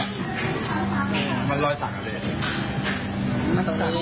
อันนี้มีภูมิประเบิดมันรอยสั่งเลย